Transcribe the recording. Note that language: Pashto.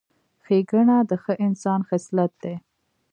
ښېګڼه د ښه انسان خصلت دی.